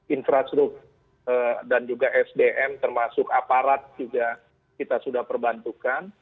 infrastruktur dan juga sdm termasuk aparat juga kita sudah perbantukan